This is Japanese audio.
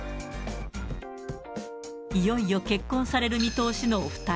いよいよ結婚される見通しのお２人。